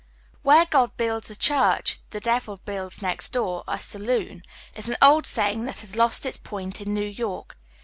WHERE God builds a c)iurch the devil builds next door — a Baloon, is an old sayiug tliat has lost its point in Xew York.